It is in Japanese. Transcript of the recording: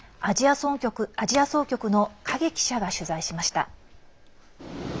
アジア総局の影記者が取材しました。